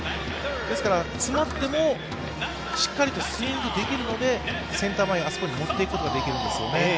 詰まっても、しっかりとスイングできるのでセンター前に持っていくことができるんですよね。